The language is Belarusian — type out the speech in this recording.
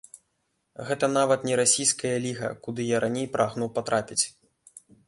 Гэта нават не расійская ліга, куды я раней прагнуў патрапіць.